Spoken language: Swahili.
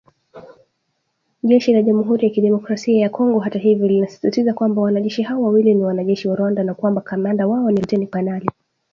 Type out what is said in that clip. Jeshi la Jamuhuri ya kidemokrasia ya Kongo hata hivyo linasisitiza kwamba wanajeshi hao wawili ni wanajeshi wa Rwanda na kwamba kamanda wao ni luteni kenali